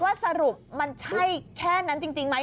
สรุปมันใช่แค่นั้นจริงไหม